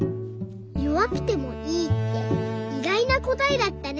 「よわくてもいい」っていがいなこたえだったね。